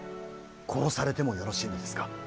殺されてもよろしいのですか。